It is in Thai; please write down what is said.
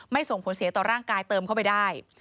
ส่งผลเสียต่อร่างกายเติมเข้าไปได้